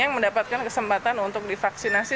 yang mendapatkan kesempatan untuk divaksinasi